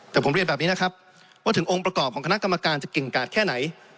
แต่ผมเรียนแบบนี้นะครับว่าถึงองค์ประกอบของคณะกรรมการจะเก่งกาดแค่ไหน